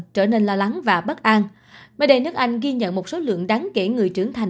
trở nên lo lắng và bất an mới đây nước anh ghi nhận một số lượng đáng kể người trưởng thành